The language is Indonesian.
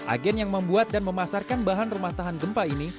agen yang membuat dan memasarkan bahan rumah tahan gempa ini